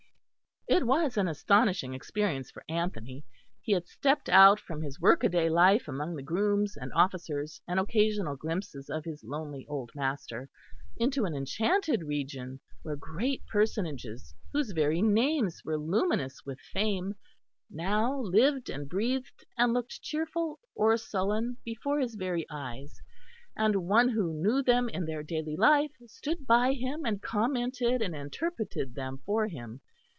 It was an astonishing experience for Anthony. He had stepped out from his workaday life among the grooms and officers and occasional glimpses of his lonely old master, into an enchanted region, where great personages whose very names were luminous with fame, now lived and breathed and looked cheerful or sullen before his very eyes; and one who knew them in their daily life stood by him and commented and interpreted them for him.